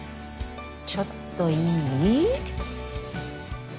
ちょっといい？